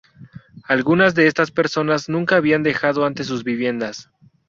Algunas de estas personas nunca habían dejado antes sus viviendas.